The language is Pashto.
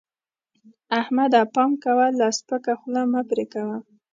احمده! پام کوه؛ له سپکه خوله مه پرې کوه.